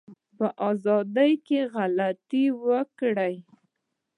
په ازادی کی غلطي وکړی